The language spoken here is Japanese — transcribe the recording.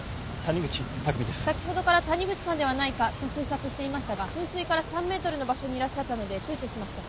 先ほどから谷口さんではないかと推察していましたが噴水から３ｍの場所にいらっしゃったのでちゅうちょしました。